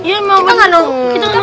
tapi memang benarnya kok pak ustaz